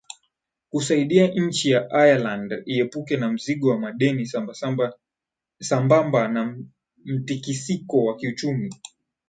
kusaidia nchi ya ireland iepuke na mzigo wa madeni sambamba na mtikisiko wa kiuchumi